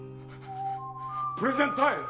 プレゼントタイム！